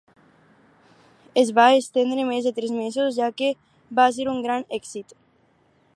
Es va estendre més de tres mesos, ja que va ser un gran èxit.